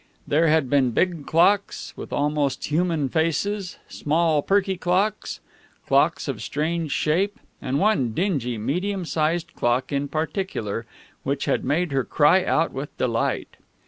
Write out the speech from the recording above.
There had been big clocks, with almost human faces; small, perky clocks; clocks of strange shape; and one dingy, medium sized clock in particular which had made her cry out with delight.